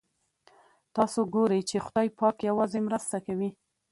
تاسو ګورئ چې خدای پاک یوازې مرسته کوي.